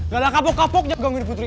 gak ada kapok kapoknya gangir putri